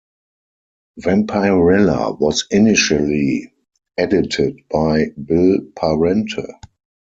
"Vampirella" was initially edited by Bill Parente.